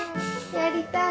やりたい。